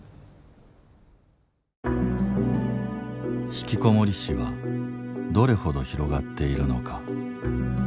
ひきこもり死はどれほど広がっているのか。